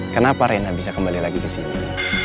kenapa reina bisa kembali lagi ke sini